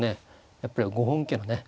やっぱりご本家のね